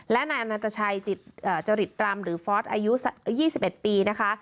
และนายอนันตชัยจริตรำหรือฟอสอายุ๒๑ปีนะคะ